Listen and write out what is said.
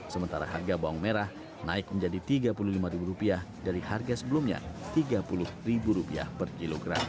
sementara harga bawang merah naik menjadi tiga puluh lima ribu rupiah dari harga sebelumnya tiga puluh ribu rupiah per kilogram